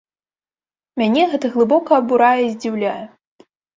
Мяне гэта глыбока абурае і здзіўляе.